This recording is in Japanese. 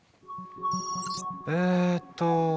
えっと